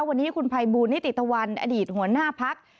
วันนี้คุณภัยบูลนิติตะวันอดีตหัวหน้าพัก